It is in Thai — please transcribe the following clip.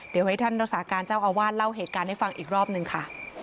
เดี๋ยวให้ท่านรักษาการเจ้าอาวาสเล่าเหตุการณ์ให้ฟังอีกรอบหนึ่งค่ะ